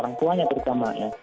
orang tuanya terutama ya